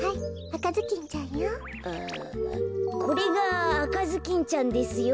これがあかずきんちゃんですよ。